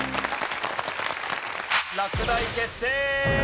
落第決定！